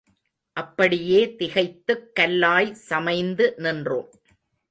அப்படியே திகைத்துக் கல்லாய் சமைந்து நின்றோம்.